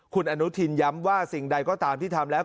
คุณอนุทินย้ำว่าสิ่งใดก็ตามที่ทำแล้ว